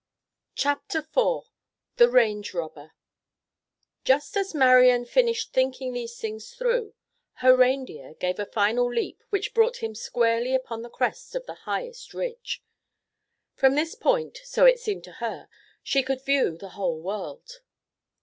CHAPTER IV THE RANGE ROBBER Just as Marian finished thinking these things through, her reindeer gave a final leap which brought him squarely upon the crest of the highest ridge. From this point, so it seemed to her, she could view the whole world.